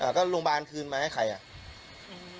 ก็โรงพยาบาลคืนมาให้ใครอ่ะอืม